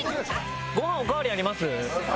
ご飯お代わりあります？